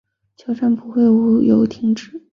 挑战不会无由停止